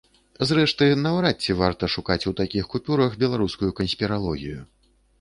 Зрэшты, наўрад ці варта шукаць у такіх купюрах беларускую канспіралогію.